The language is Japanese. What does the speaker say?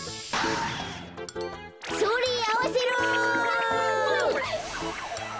それあわせろ。